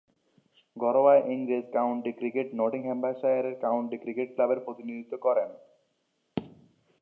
ঘরোয়া ইংরেজ কাউন্টি ক্রিকেটে নটিংহ্যামশায়ারের কাউন্টি ক্রিকেট ক্লাবের প্রতিনিধিত্ব করেন।